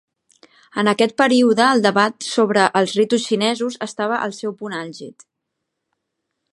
En aquest període el debat sobre els ritus xinesos estava al seu punt àlgid.